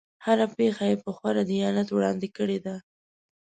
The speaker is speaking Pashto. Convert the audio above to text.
هره پېښه یې په خورا دیانت وړاندې کړې ده.